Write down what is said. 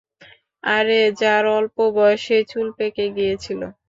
আরে যার অল্প বয়সেই চুল পেকে গিয়েছিল?